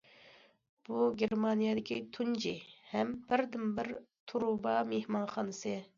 بۇ گېرمانىيەدىكى تۇنجى ھەم بىردىنبىر تۇرۇبا مېھمانخانىسى.